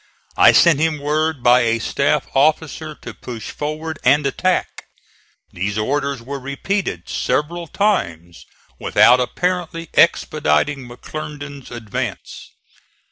I sent him word by a staff officer to push forward and attack. These orders were repeated several times without apparently expediting McClernand's advance.